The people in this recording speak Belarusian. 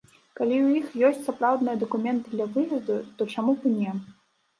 Калі ў іх ёсць сапраўдныя дакументы для выезду, то чаму б і не?